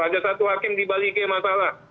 ada satu hakim di bali ke yang masalah